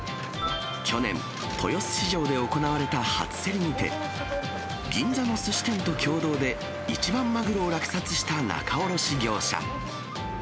去年、豊洲市場で行われた初競りにて、銀座のすし店と共同で一番マグロを落札した仲卸業者。